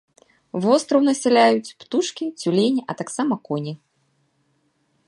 Востраў насяляюць птушкі, цюлені, а таксама коні.